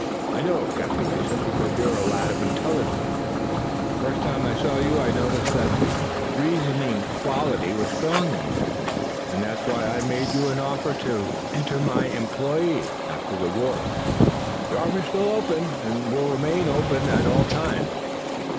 "I know it, Captain Mason, because you're a lad of intelligence. The first time I saw you I noticed that the reasoning quality was strong in you, and that was why I made you an offer to enter my employ after the war. That offer is still open and will remain open at all times."